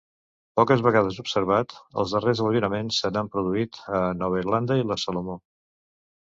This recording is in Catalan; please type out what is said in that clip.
Poques vegades observat, els darrers albiraments se n'han produït a Nova Irlanda i les Salomó.